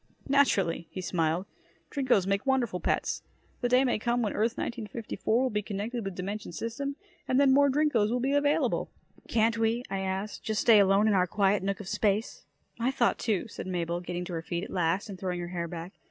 "Naturally," he smiled. "Drinkos make wonderful pets. The day may come when Earth 1954 will be connected with dimension system and then more Drinkos will be available." "Can't we," I asked, "just stay alone in our quiet nook of space?" "My thought, too," said Mabel, getting to her feet at last and throwing her hair back.